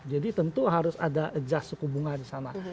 jadi tentu harus ada adjust suku bunga disana